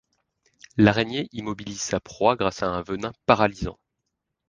L'araignée immobilise sa proie grâce à un venin paralysant.